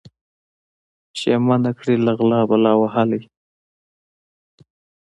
چي یې منع کړي له غلا بلا وهلی